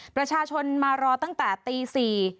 ประชาชนมารอตั้งแต่ตี๔